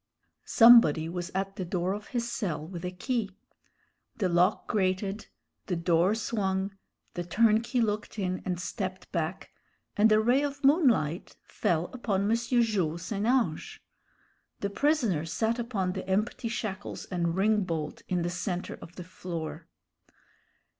Somebody was at the door of his cell with a key. The lock grated, the door swung, the turnkey looked in and stepped back, and a ray of moonlight fell upon M. Jules St. Ange. The prisoner sat upon the empty shackles and ring bolt in the centre of the floor.